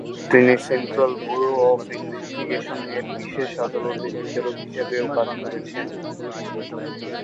তিনি central bureau of investigation এর বিশেষ আদালতের বিচারক হিসাবেও কাজ করেছেন।